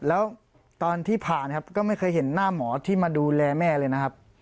แล้วตอนที่ผ่านครับก็ไม่เคยเห็นหน้าหมอที่มาดูแลแม่เลยนะครับ